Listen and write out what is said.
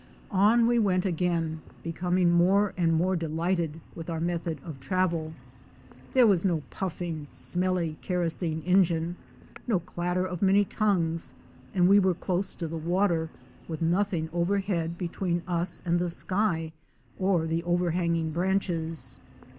On we went again, becoming more and more delighted with our method of travel. There was no puffing, smelly kerosene engine, no clatter of many tongues; and we were close to the water with nothing overhead between us and the sky, or the overhanging branches.